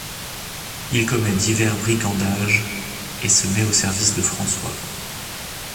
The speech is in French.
Il commet divers brigandages et se met au service de François.